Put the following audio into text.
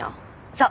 そう。